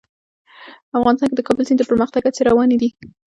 افغانستان کې د کابل سیند د پرمختګ هڅې روانې دي.